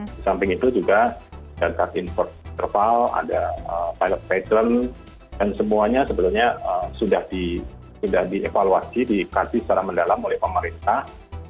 di samping itu juga data import interval ada file of patent dan semuanya sebenarnya sudah dievaluasi dikasih secara mendalam oleh pemerintah